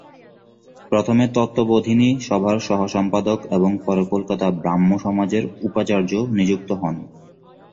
প্রথমে তত্ত্ববোধিনী সভার সহ-সম্পাদক এবং পরে কলকাতা ব্রাহ্মসমাজের উপাচার্য নিযুক্ত হন।